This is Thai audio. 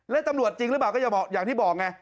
และตำรวจจริงหรือเปล่าก็อย่าบอกอย่างที่บอกไง